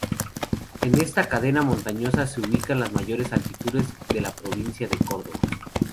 En esta cadena montañosa se ubican las mayores altitudes de la provincia de Córdoba.